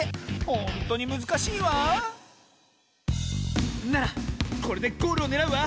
ほんとにむずかしいわあならこれでゴールをねらうわ！